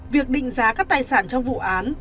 việc định giá các tài sản trong vụ án